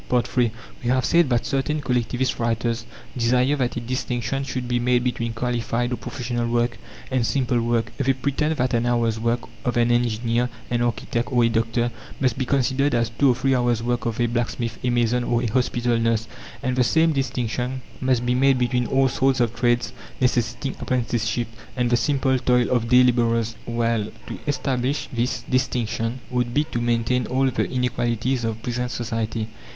III We have said that certain collectivist writers desire that a distinction should be made between qualified or professional work and simple work. They pretend that an hour's work of an engineer, an architect, or a doctor, must be considered as two or three hours' work of a blacksmith, a mason, or a hospital nurse. And the same distinction must be made between all sorts of trades necessitating apprenticeship, and the simple toil of day labourers. Well, to establish this distinction would be to maintain all the inequalities of present society.